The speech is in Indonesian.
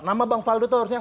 nama bang faldo itu harusnya